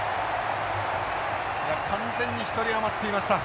いや完全に１人余っていました。